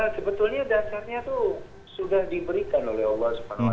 sebetulnya dasarnya itu sudah diberikan oleh allah swt